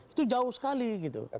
itu jauh sekali gitu